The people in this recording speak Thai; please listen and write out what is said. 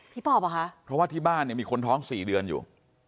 ปอบเหรอคะเพราะว่าที่บ้านเนี่ยมีคนท้องสี่เดือนอยู่